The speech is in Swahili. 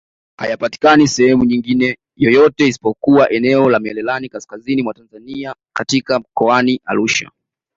Hayapatikani sehemu nyingine yoyote isipokuwa eneo la Merelani Kaskazini mwa Tanzania katika mkoani Arusha